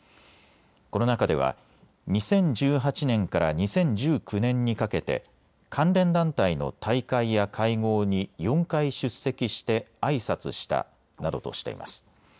この中では２０１８年から２０１９年にかけて関連団体の大会や会合に４回出席してあいさつしたなどとしています。